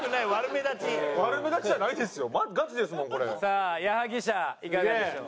さあ矢作舎いかがでしょう？